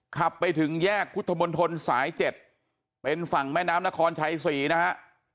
ขับไปถึงแยกพุทธมนตรสาย๗เป็นฝั่งแม่น้ำนครชัยศรีนะฮะ